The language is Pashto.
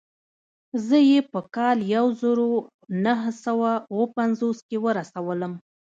زه يې په کال يو زر و نهه سوه اووه پنځوس کې ورسولم.